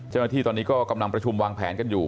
เจ้าหน้าที่ตอนนี้ก็กำลังประชุมวางแผนกันอยู่